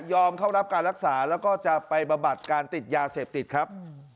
เข้ารับการรักษาแล้วก็จะไปบำบัดการติดยาเสพติดครับ